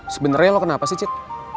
sebenarnya lo kenapa sih cik